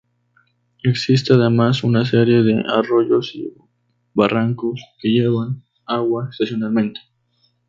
Existe además una serie de arroyos y barrancos que llevan agua estacionalmente.